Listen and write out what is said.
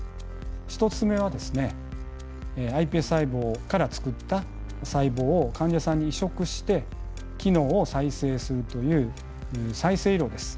１つ目はですねｉＰＳ細胞からつくった細胞を患者さんに移植して機能を再生するという再生医療です。